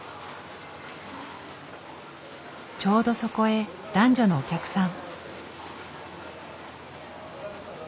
ちょうどそこへ男女のお客さん。